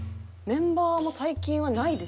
メンバーも最近はないですね。